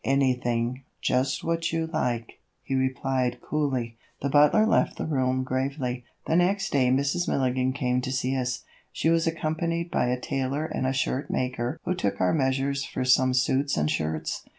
"Anything, just what you like," he replied coolly. The butler left the room gravely. The next day Mrs. Milligan came to see us; she was accompanied by a tailor and a shirt maker who took our measures for some suits and shirts.